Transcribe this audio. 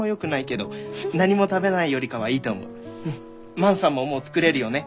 万さんももう作れるよね？